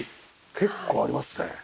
結構ありますね。